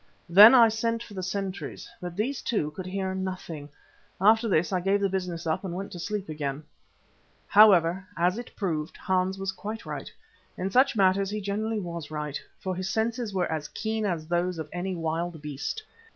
Then I sent for the sentries, but these, too, could hear nothing. After this I gave the business up and went to sleep again. However, as it proved, Hans was quite right; in such matters he generally was right, for his senses were as keen as those of any wild beast.